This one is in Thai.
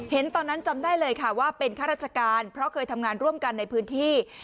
ตอนนั้นจำได้เลยค่ะว่าเป็นข้าราชการเพราะเคยทำงานร่วมกันในพื้นที่